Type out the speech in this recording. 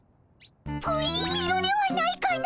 プリン色ではないかの！